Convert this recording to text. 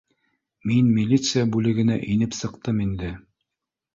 Мин милиция бүлегенә инеп сыҡтым инде